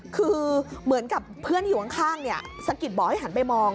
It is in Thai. คือเหมือนกับเพื่อนที่อยู่ข้างสะกิดบอกให้หันไปมอง